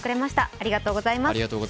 ありがとうございます。